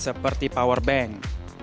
seperti power bank